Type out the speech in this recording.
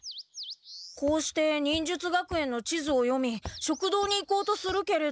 こうして忍術学園の地図を読み食堂に行こうとするけれど。